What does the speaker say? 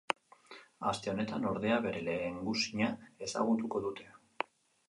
Aste honetan, ordea, bere lehengusina ezagutuko dute.